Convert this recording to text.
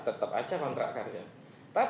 tetap saja kontrak karya